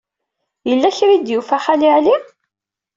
Yella kra ay d-yufa Xali Ɛli?